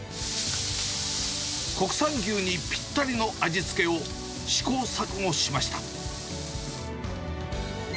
国産牛にぴったりの味付けを、試行錯誤しました。